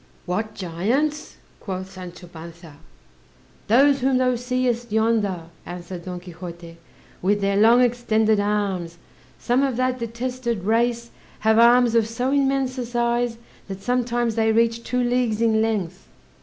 "What giants?" quoth Sancho Panza. "Those whom thou seest yonder," answered Don Quixote, "with their long extended arms; some of that detested race have arms of so immense a size, that sometimes they reach two leagues in length."